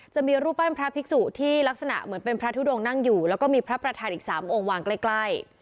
จะมีรูปปั้นพระภิกษุที่ลักษณะเหมือนเป็นพระทุดงนั่งอยู่แล้วก็มีพระประธานอีก๓องค์วางใกล้